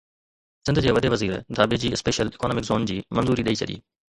سنڌ جي وڏي وزير ڌاٻيجي اسپيشل اڪنامڪ زون جي منظوري ڏئي ڇڏي